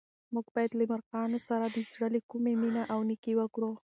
موږ باید له مرغانو سره د زړه له کومې مینه او نېکي وکړو.